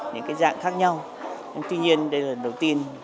những cái dạng khác nhau tuy nhiên đây là lần đầu tiên